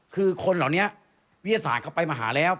คือคนเหล่านี้วิทยาศาสตร์เขาไปมาหาแล้ว